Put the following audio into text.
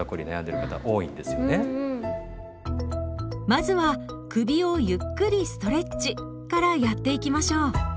まずは「首をゆっくりストレッチ」からやっていきましょう。